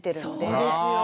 そうですよ。